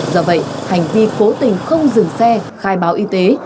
do vậy hành vi cố tình không dừng xe khai báo y tế